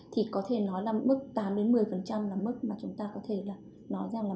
thì có thể nói là mức tám một mươi là mức mà chúng ta có thể là nói rằng là